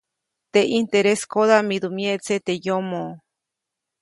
Teʼ ʼintereskoda midu myeʼtse teʼ yomoʼ.